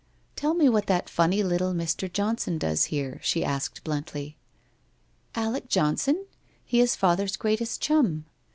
1 Tell me what that funny little Mr. Johnson does here? ' she asked bluntly. 'Alec Johnson? He is father's greatest chum.